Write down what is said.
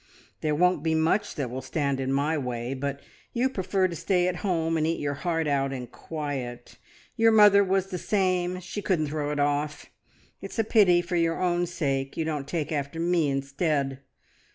There won't be much that will stand in my way, but you prefer to stay at home and eat your heart out in quiet. Your mother was the same; she couldn't throw it off. It's a pity for your own sake you don't take after me instead."